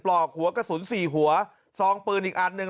หลอกหัวกระสุน๔หัวซองปืนอีกอันหนึ่ง